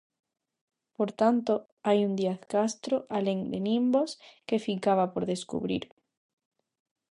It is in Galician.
Por tanto, hai un Díaz Castro alén de Nimbos que ficaba por descubrir.